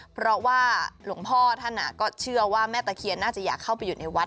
เพราะว่าหลวงพ่อท่านก็เชื่อว่าแม่ตะเคียนน่าจะอยากเข้าไปอยู่ในวัด